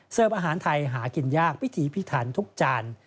เสิร์ฟอาหารไทยหากินยากพิธีพิทันทุกจาน